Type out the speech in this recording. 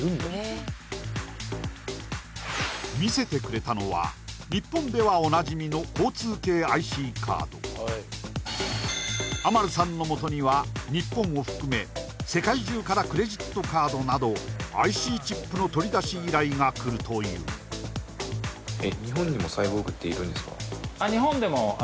見せてくれたのは日本ではおなじみの交通系ＩＣカードアマルさんのもとには日本を含め世界中からクレジットカードなどＩＣチップの取り出し依頼が来るというへえええ